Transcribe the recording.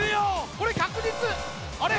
これ確実あれ？